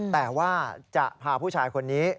แต่ว่าจะพาผู้ชายคนนี้